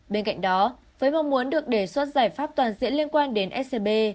bên cạnh đó với mong muốn được đề xuất giải pháp toàn diện liên quan đến scb